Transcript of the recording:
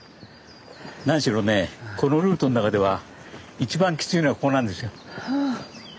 何しろねこのルートの中では一番きついのがここなんですよ。